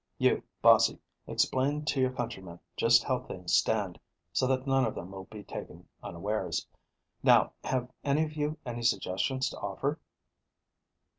You, Bossie, explain to your countrymen just how things stand, so that none of them will be taken unawares. Now, have any of you any suggestions to offer?"